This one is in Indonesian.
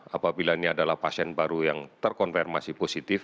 apabila ini adalah pasien baru yang terkonfirmasi positif